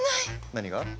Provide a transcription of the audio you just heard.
何が？